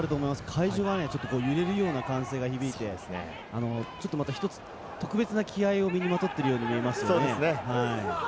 会場が揺れるような歓声が響いて、一つ、特別な気合いを身にまとっているように見えますね。